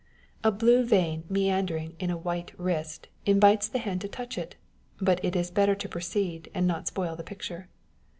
A blue vein meandering in a white wrist invites the hand to touch it : but it is better to proceed, and not spoil the picture.